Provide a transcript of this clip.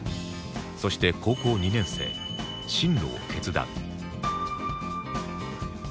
そして高校２年生進路を決断